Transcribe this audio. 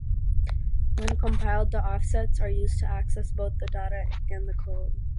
When compiled, the offsets are used to access both the data and the code.